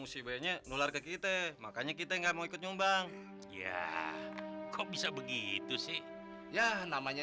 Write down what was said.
musibahnya nular ke kita makanya kita enggak mau ikut nyumbang ya kok bisa begitu sih ya namanya